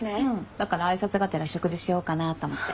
だから挨拶がてら食事しようかなと思って。